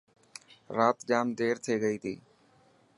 رات جام دير ٿي گئي تي.